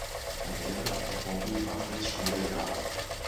Sein Lehrer und Vorbild war Fritz Schröder-Jahn.